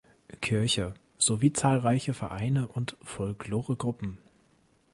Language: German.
Kirche sowie zahlreiche Vereine und Folkloregruppen.